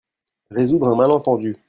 Résoudre un malentendu.